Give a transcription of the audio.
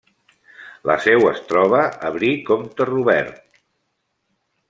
La seu es troba a Brie-Comte-Robert.